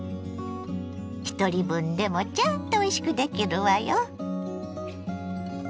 ひとり分でもちゃんとおいしくできるわよ。